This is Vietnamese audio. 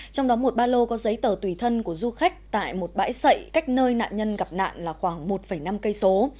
trong đó một ba lô có giấy tờ tùy thân của du khách tại một bãi sậy cách nơi nạn nhân gặp nạn là khoảng một năm cây số